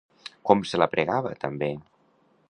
Com se la pregava, també?